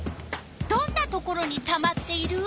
どんなところにたまっている？